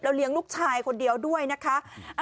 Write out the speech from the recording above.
เลี้ยงลูกชายคนเดียวด้วยนะคะ